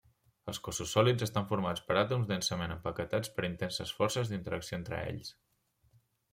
Els cossos sòlids estan formats per àtoms densament empaquetats per intenses forces d'interacció entre ells.